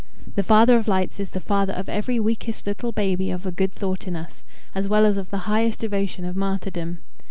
The Father of Lights is the Father of every weakest little baby of a good thought in us, as well as of the highest devotion of martyrdom.